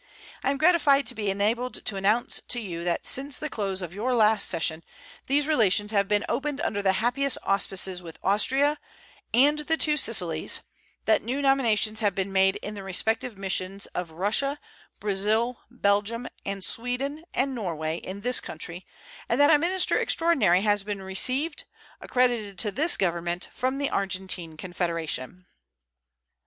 I am gratified to be enabled to announce to you that since the close of your last session these relations have been opened under the happiest auspices with Austria and the Two Sicilies, that new nominations have been made in the respective missions of Russia, Brazil, Belgium, and Sweden and Norway in this country, and that a minister extraordinary has been received, accredited to this Government, from the Argentine Confederation.